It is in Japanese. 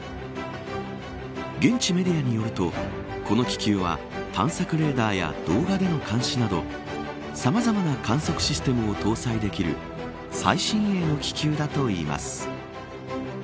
現地メディアによるとこの気球は、探索レーダーや動画での監視などさまざまな観測システムを搭載できる最新鋭の気球だといいます。